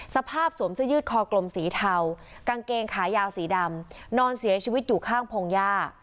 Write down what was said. สวมเสื้อยืดคอกลมสีเทากางเกงขายาวสีดำนอนเสียชีวิตอยู่ข้างพงหญ้า